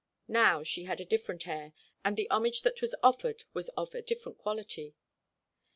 Now she had a different air; and the homage that was offered was of a different quality.